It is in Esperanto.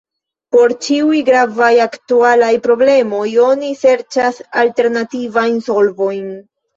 Por ĉiuj gravaj aktualaj problemoj oni serĉas alternativajn solvojn.